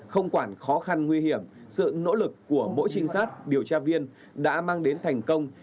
không quản khó khăn nguy hiểm sự nỗ lực của mỗi trinh sát điều tra viên đã mang đến thành công